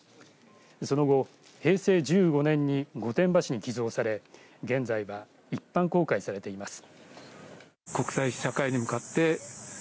その後、平成１５年に御殿場市に寄贈され現在は一般公開されています。